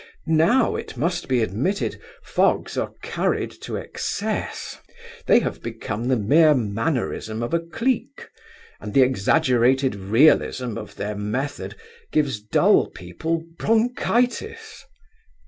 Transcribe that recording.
Now, it must be admitted, fogs are carried to excess. They have become the mere mannerism of a clique, and the exaggerated realism of their method gives dull people bronchitis.